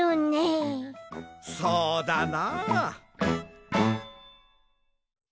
そうだな。